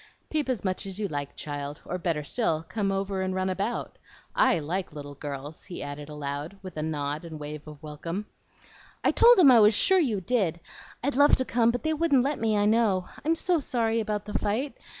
"Peep as much as you like, child; or, better still, come over and run about. I like little girls," he added aloud, with a nod and a wave of welcome. "I told 'em I was sure you did! I'd love to come, but they wouldn't let me, I know. I'm so sorry about the fight.